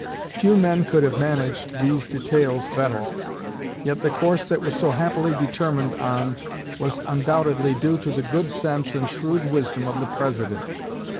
Few men could have managed these details better; yet the course that was so happily determined on was undoubtedly due to the good sense and shrewd wisdom of the President.